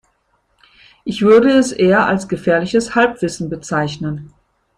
Ich würde es eher als gefährliches Halbwissen bezeichnen.